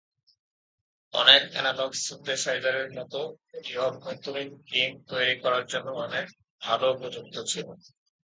অনেক এনালগ সিনথেসাইজারের মত, এটি "অভ্যন্তরীণ" টিম্ব তৈরি করার জন্য অনেক ভাল উপযুক্ত ছিল।